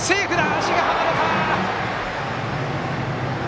足が離れた！